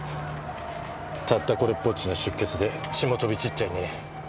たったこれっぽっちの出血で血も飛び散っちゃいねえや。